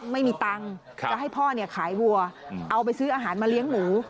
ไม่มีตังค์จะให้พ่อขายวัวเอาไปซื้ออาหารมาเลี้ยงหมู